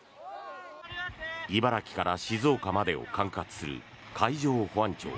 茨城から静岡までを管轄する海上保安庁